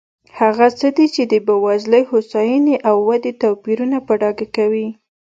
هغه څه دي چې د بېوزلۍ، هوساینې او ودې توپیرونه په ډاګه کوي.